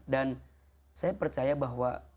dan saya percaya bahwa